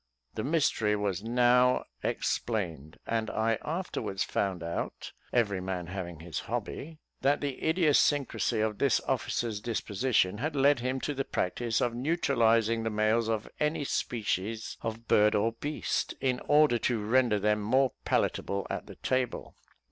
The mystery was now explained, and I afterwards found out (every man having his hobby) that the idiosyncrasy of this officer's disposition had led him to the practice of neutralising the males of any species of bird or beast, in order to render them more palatable at the table.